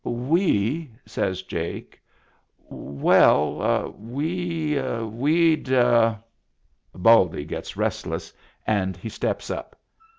" We," says Jake, " well — we — we'd —" Baldy gets restless and he steps up.